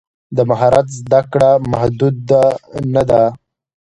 د مهارت زده کړه محدود نه ده.